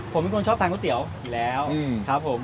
ผมเป็นคนชอบทานก๋วยเตี๋ยวอยู่แล้วครับผม